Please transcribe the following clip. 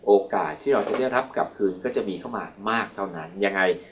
โอกาสที่เราจะได้รับกลับคืนก็จะมีเข้ามามากเท่านั้นยังไง